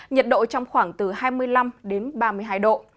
nhiệt độ trong khoảng từ hai mươi năm đến ba mươi hai độ